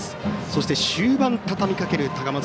そして終盤たたみかける高松